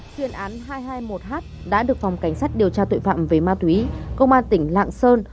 chuyên án hai trăm hai mươi một h đã được phòng cảnh sát điều tra tội phạm về ma túy công an tỉnh lạng sơn